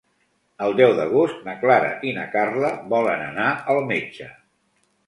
El deu d'agost na Clara i na Carla volen anar al metge.